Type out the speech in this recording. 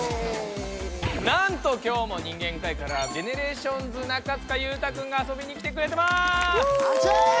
なんと今日も人間界からＧＥＮＥＲＡＴＩＯＮＳ中務裕太くんがあそびにきてくれてます！